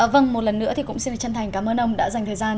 vâng một lần nữa thì cũng xin chân thành cảm ơn ông đã dành thời gian